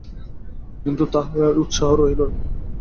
কিন্তু তাহার আর উৎসাহ রহিল না।